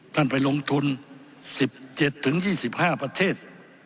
ท่านไปลงทุน๑๗๒๕ประเทศ